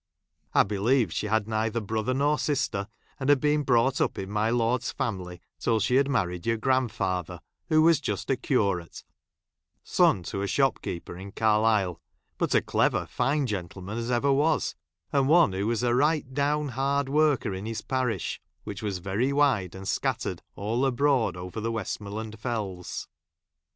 I believe she' had neither brother nor sister, and had been brought up in my lord's family tin she had married your grandfather, who was just a curate, son to a shopkeeper in Carlisle — but a clever fine gentleipan as ever was — and one who Avas a right down hard worker in his pariah, which was very wide, and scattered all abroad over the Westmore¬ land Fells.